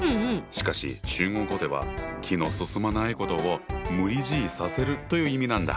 しかし中国語では気の進まないことを「無理強いさせる」という意味なんだ。